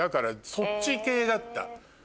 そっち系だった。